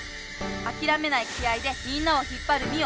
「『あ』きらめない気合いでみんなを引っぱるミ『オ』」！